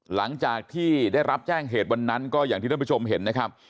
หลังจากที่ได้รับแจ้งเหตุวันนั้นก็อย่างที่ท่านผู้ชมเห็นนะครับ